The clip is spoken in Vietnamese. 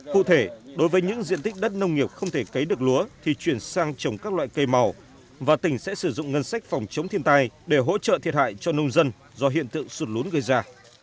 cụ thể đối với những diện tích đất nông nghiệp không thể cấy được lúa thì chuyển sang trồng các loại cây màu và tỉnh sẽ sử dụng ngân sách phòng chống thiên tai để hỗ trợ thiệt hại cho nông dân do hiện tượng sụt lún gây ra